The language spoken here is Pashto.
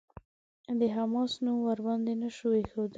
د «حماس» نوم ورباندې نه شو ايښودلای.